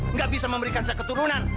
nggak bisa memberikan saya keturunan